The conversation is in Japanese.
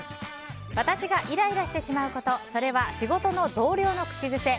私がイライラしてしまうことそれは仕事の同僚の口癖。